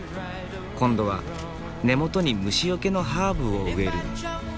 今度は根元に虫よけのハーブを植える。